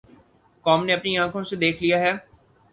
قوم نے اپنی آنکھوں سے دیکھ لیا ہے۔